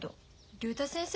竜太先生